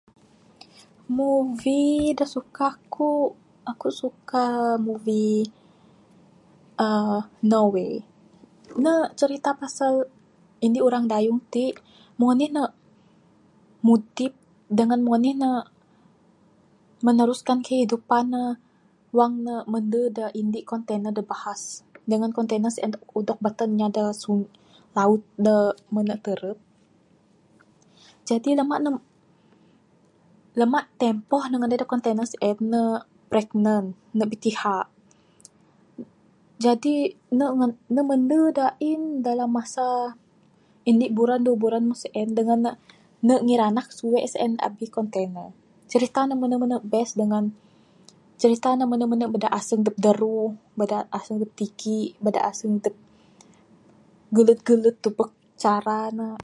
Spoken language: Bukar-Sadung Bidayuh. Movie da suka kuk, akuk suka movie uhh No Way. Ne cirita pasal indik urang dayung tik. Mung anih ne mudip dengan mung anih ne meneruskan kehidupan ne wang ne mendu da indik kontene da bahas dengan kontene sien udog batan nya da sung, laut da menu terup. Jadi lamak ne, lamak tempoh ne ngandai da kontene sen, ne pragnant, ne bitiha. Jadi ne me, ne mendu da ain dalam masa indik buran duwuh buran mung sen. Dengan ne ngiranak suwe sien abih kontene. Cerita ne menu- menu best dengan cerita ne menu-menu mada asung dug daruh. Mada asung dup tigik, bada asung dup gelut-gelut tebuk cara ne.